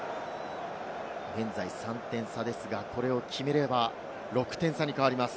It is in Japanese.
現在３点差ですが、これを決めれば６点差に変わります。